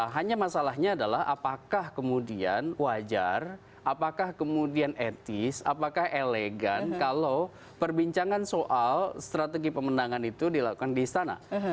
hanya masalahnya adalah apakah kemudian wajar apakah kemudian etis apakah elegan kalau perbincangan soal strategi pemenangan itu dilakukan di istana